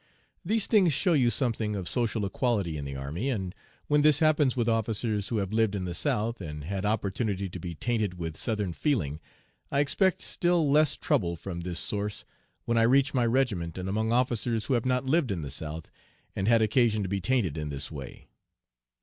These things show you something of social equality in the army, and when this happens with officers who have lived in the South, and had opportunity to be tainted with Southern feeling, I expect still less trouble from this source when I reach my regiment and among officers who have not lived in the South and had occasion to be tainted in this way.